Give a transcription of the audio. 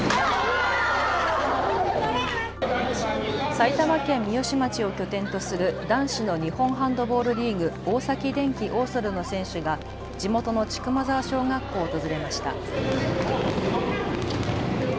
埼玉県三芳町を拠点とする男子の日本ハンドボールリーグ、大崎電気オーソルの選手が地元の竹間沢小学校を訪れました。